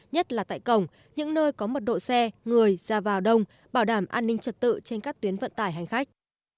nhất là tại cổng những nơi có mật độ xe người ra vào đông bảo đảm an ninh trật tự trên các tuyến vận tải hành khách